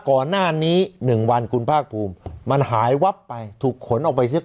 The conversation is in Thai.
ก่อนหน้านี้๑วันคุณภาคภูมิมันหายวับไปถูกขนออกไปเสีย